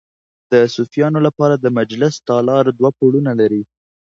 د صوفیانو لپاره د مجلس تالار دوه پوړونه لري.